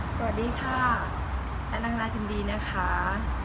สวัสดีค่ะแอนด์รังราชิมดีนะคะ